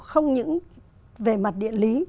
không những về mặt điện lý